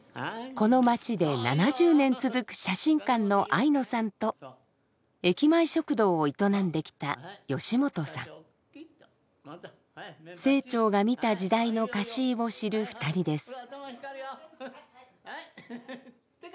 この町で７０年続く写真館の相野さんと駅前食堂を営んできた清張が見た時代の香椎を知る２人です。